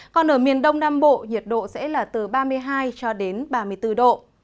còn ở miền đông nam bộ nhiệt độ sẽ là từ ba mươi hai cho đến ba mươi bốn độ